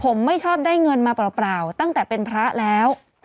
ผมไม่ชอบได้เงินมาเปล่าตั้งแต่เป็นพระแล้ว